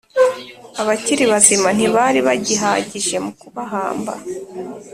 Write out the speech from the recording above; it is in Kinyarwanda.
abakiri bazima ntibari bagihagije mu kubahamba,